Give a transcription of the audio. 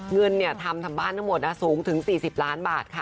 เงินทำทำบ้านทั้งหมดสูงถึง๔๐ล้านบาทค่ะ